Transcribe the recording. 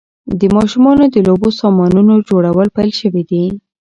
د ماشومانو د لوبو سامانونو جوړول پیل شوي دي.